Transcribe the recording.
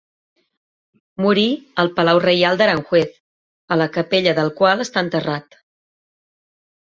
Morí al Palau Reial d'Aranjuez, a la capella del qual està enterrat.